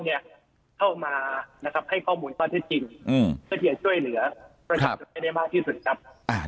เข้ามาให้ข้อมูลก่อนให้จริงเพื่อให้เรื่องช่วยเหลือระยะต่อได้มากที่สุดครับ